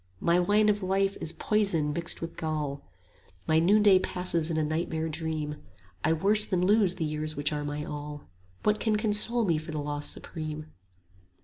My wine of life is poison mixed with gall, 35 My noonday passes in a nightmare dream, I worse than lose the years which are my all: What can console me for the loss supreme?